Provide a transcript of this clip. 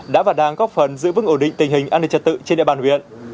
đã và đang góp phần giữ vững ổ định tình hình an ninh trật tự trên địa bàn viện